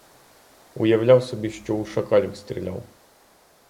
Уявляв собі, що у шакалів стріляв.